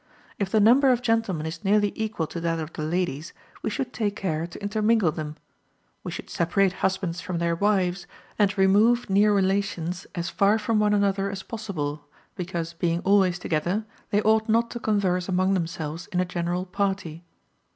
If the number of gentlemen is nearly equal to that of the ladies, we should take care to intermingle them; we should separate husbands from their wives, and remove near relations as far from one another as possible, because being always together, they ought not to converse among themselves in a general party.